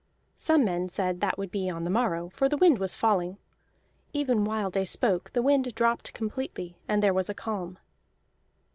Some men said that would be on the morrow, for the wind was falling. Even while they spoke the wind dropped completely, and there was a calm.